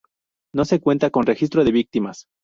No se cuenta con registro de víctimas.